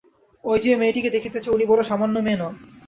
ঐ যে মেয়েটি দেখিতেছ, উনি বড় সামান্য মেয়ে নন!